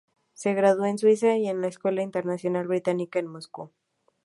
Se graduó en Suiza y en la Escuela Internacional Británica en Moscú.